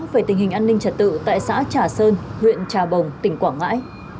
về tình hình an ninh trật tự tại xã trà sơn huyện trà bồng tỉnh quảng ngãi